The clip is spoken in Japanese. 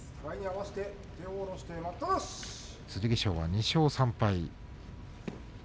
剣翔は２勝３敗。